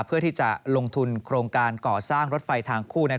เพื่อที่จะลงทุนโครงการก่อสร้างรถไฟทางคู่